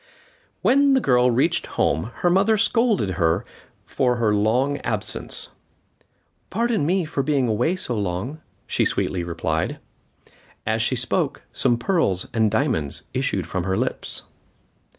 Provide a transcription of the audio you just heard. When the girl reached home her mother scolded her for her long absence. "Pardon me for being away so long," she sweetly replied. As she spoke some pearls and diamonds issued from her lips.